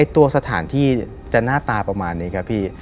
ตัวสถานที่จะหน้าตาประมาณนี้ครับพี่